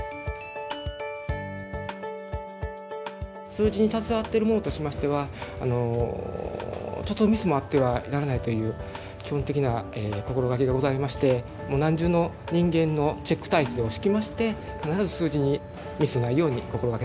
数字に携わっている者としましてはちょっとでもミスはあってはならないという基本的な心掛けがございまして何重の人間のチェック体制を敷きまして必ず数字にミスのないように心掛けております。